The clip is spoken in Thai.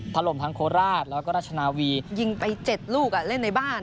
ถล่มทั้งโคราชแล้วก็ราชนาวียิงไป๗ลูกเล่นในบ้าน